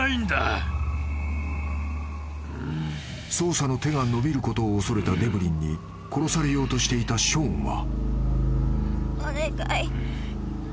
［捜査の手が伸びることを恐れたデブリンに殺されようとしていたショーンは］